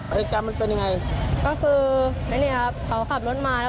อาจารย์มันเป็นอย่างไร